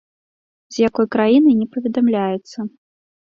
З якой краіны, не паведамляецца.